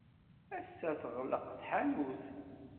Ass-a teɣleq tḥanut.